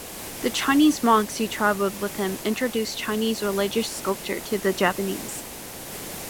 The Chinese monks who travelled with him introduced Chinese religious sculpture to the Japanese.